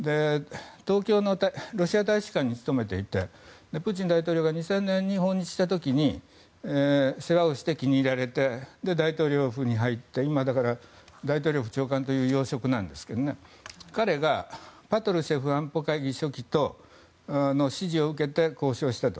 日本のロシア大使館に勤めていてプーチン大統領が訪日した時に世話をして気に入られて大統領府に入って今は大統領府長官という要職ですが、彼がパトルシェフ安全保障会議書記の支持を受けて交渉したと。